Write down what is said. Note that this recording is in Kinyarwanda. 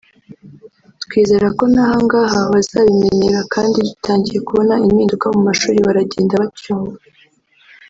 twizera ko n’ahangaha bazabimenyera kandi dutangiye kubona impinduka mu mashuri baragenda bacyumva”